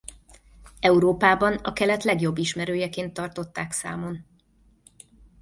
Európában a Kelet legjobb ismerőjeként tartották számon.